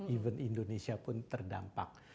even indonesia pun terdampak